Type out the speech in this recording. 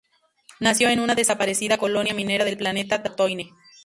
Nació en una desaparecida colonia minera del planeta Tatooine.